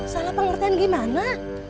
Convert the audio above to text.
salah pengertian gimana